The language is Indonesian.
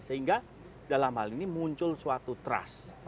sehingga dalam hal ini muncul suatu trust